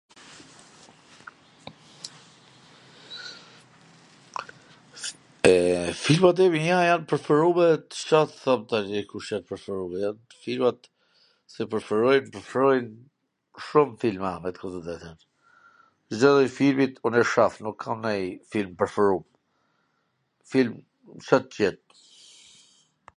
eee, filmat e mia q jan t preferume, Ca t thom tani kush jan t preferume, filmat si preferoj, preferoj shum filma... me t thw tw drejtwn, Cdo lloj filmi un e shof, nuk kam nanj lloj filmi t preferum, film, Ca t jet,